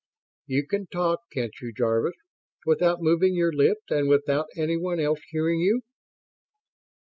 "You can talk, can't you, Jarvis, without moving your lips and without anyone else hearing you?"